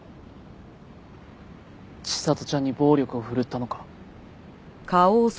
千里ちゃんに暴力を振るったのか？